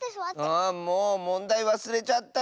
あもうもんだいわすれちゃったよ。